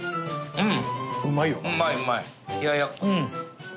うん。